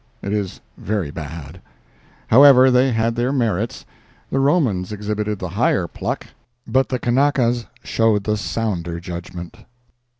It was very bad. However, they had their merits—the Romans exhibited the higher pluck, but the Kanakas showed the sounder judgment.